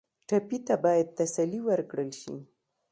ټپي ته باید تسلي ورکړل شي.